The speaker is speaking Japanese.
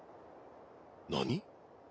何？